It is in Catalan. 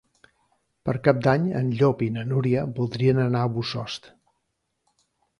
Per Cap d'Any en Llop i na Núria voldrien anar a Bossòst.